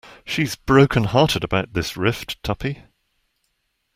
She's broken-hearted about this rift, Tuppy.